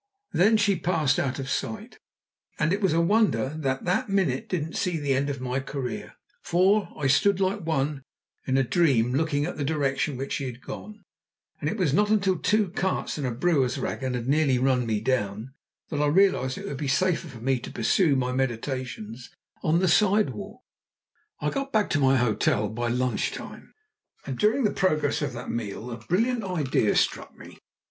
Then she passed out of sight, and it was a wonder that that minute didn't see the end of my career, for I stood like one in a dream looking in the direction in which she had gone, and it was not until two carts and a brewer's wagon had nearly run me down that I realized it would be safer for me to pursue my meditations on the side walk. I got back to my hotel by lunch time, and during the progress of that meal a brilliant idea struck me.